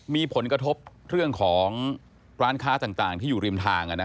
มีผลกระทบเรื่องของร้านค้าต่างที่อยู่ริมทาง